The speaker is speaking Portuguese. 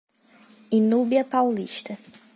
Inúbia Paulista